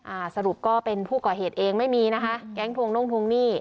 อ่าสรุปก็เป็นผู้ก่อเหตุเองไม่มีนะคะแก๊งทวงน่งทวงหนี้